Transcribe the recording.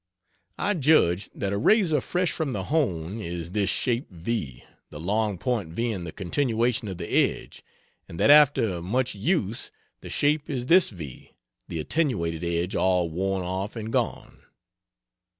I judge that a razor fresh from the hone is this shape V the long point being the continuation of the edge and that after much use the shape is this V the attenuated edge all worn off and gone.